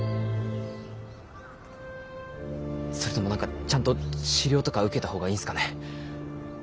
それとも何かちゃんと治療とか受けた方がいいんすかね？